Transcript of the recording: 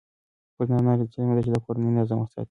پر نارینه لازم دی چې د کورني نظم وساتي.